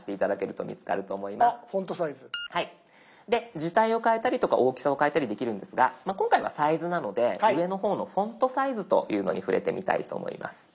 字体を変えたりとか大きさを変えたりできるんですが今回はサイズなので上の方の「フォントサイズ」というのに触れてみたいと思います。